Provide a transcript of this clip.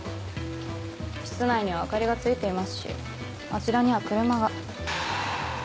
室内には明かりがついていますしあちらには車が。